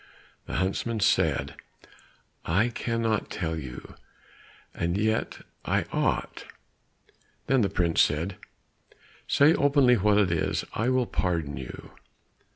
The huntsman said, "I cannot tell you, and yet I ought." Then the prince said, "Say openly what it is, I will pardon you."